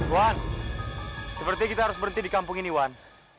wan seperti kita harus berhenti di kampung ini wan